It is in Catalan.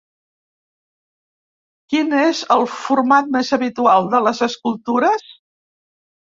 Quin és el format més habitual de les escultures?